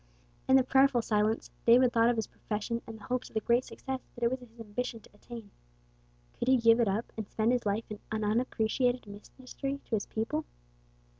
In the prayerful silence, David thought of his profession and the hopes of the great success that it was his ambition to attain. Could he give it up, and spend his life in an unappreciated ministry to his people?